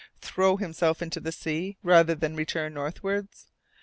Throw himself into the sea rather than return northwards?